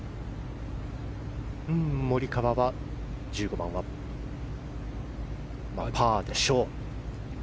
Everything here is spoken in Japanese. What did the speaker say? モリカワは１５番はパーでしょう。